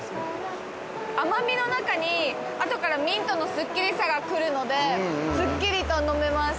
甘みの中にあとからミントのスッキリさが来るので、すっきりと飲めます。